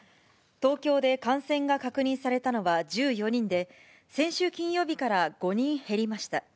東京で感染が確認されたのは、１４人で、先週金曜日から５人減りました。